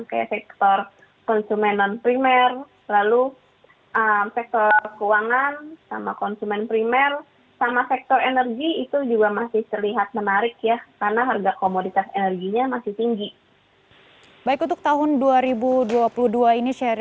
kayak sektor konsumen non primer lalu sektor keuangan sama konsumen primer